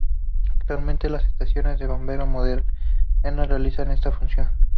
Actualmente, las estaciones de bombeo modernas realizan esta función.